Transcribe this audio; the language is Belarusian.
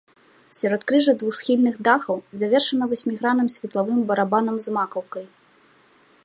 Сяродкрыжжа двухсхільных дахаў завершана васьмігранным светлавым барабанам з макаўкай.